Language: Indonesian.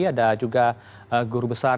ada juga guru besar